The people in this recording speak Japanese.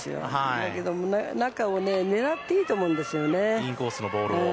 だけど、中を狙っていいと思うんですよね。